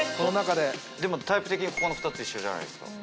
でもタイプ的にここの２つ一緒じゃないですか。